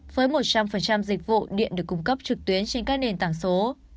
với một trăm linh dịch vụ điện được cung cấp trực tuyến trên các nền tảng số